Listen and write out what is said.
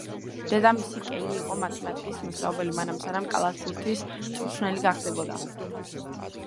დედამისი, კელი, იყო მათემატიკის მასწავლებელი მანამ, სანამ კალათბურთის მწვრთნელი გახდებოდა.